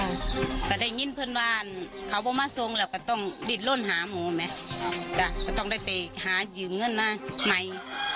แต่ถ้าอย่างนี้เพื่อนบ้านเขาไม่มาส่งแล้วก็ต้องดินร่วนหาหมูไหมก็ต้องได้ไปหาอยู่เงินมาใหม่